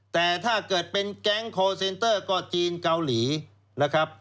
แต่ถ้าเกิดเป็นแก๊งคอร์เซนเตอร์ก็จีนเกาหลีนะครับ